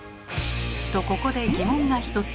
とここで疑問が１つ。